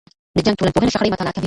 د جنګ ټولنپوهنه شخړې مطالعه کوي.